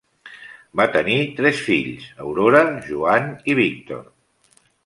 Van tenir tres fills Aurora, Joan, i Víctor.